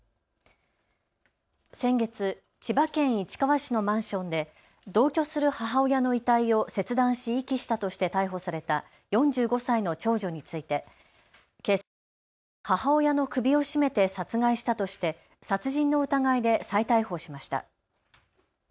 先月、千葉県市川市のマンションで同居する母親の遺体を切断し遺棄したとして逮捕された４５歳の長女について警察は母親の首を絞めて殺害したとして殺人の疑いで再逮捕しました。